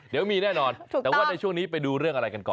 เดี๋ยวมีแน่นอนแต่ว่าในช่วงนี้ไปดูเรื่องอะไรกันก่อน